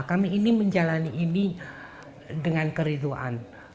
kami ini menjalani ini dengan keriduan